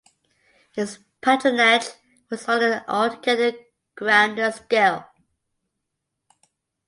Its patronage was on an altogether grander scale.